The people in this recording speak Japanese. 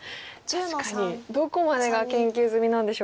確かにどこまでが研究済みなんでしょう。